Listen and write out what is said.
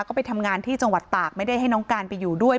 ก็ไปทำงานที่จังหวัดตากไม่ได้ให้น้องการไปอยู่ด้วย